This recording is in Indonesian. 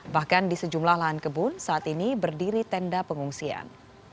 bahkan di sejumlah lahan kebun saat ini berdiri tenda pengungsian